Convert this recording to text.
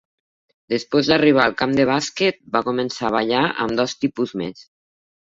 Després d'arribar al camp de bàsquet, va començar a ballar amb dos tipus més.